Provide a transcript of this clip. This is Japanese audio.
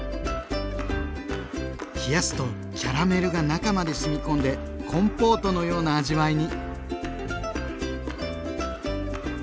冷やすとキャラメルが中までしみ込んでコンポートのような味わいに。